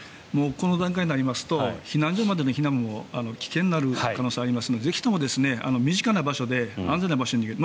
この段階になりますと避難所までの避難も危険になる可能性がありますのでぜひとも身近な場所で安全な場所に逃げる。